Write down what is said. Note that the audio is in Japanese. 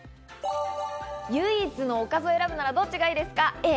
唯一のおかずを選ぶならどっちがいいですか？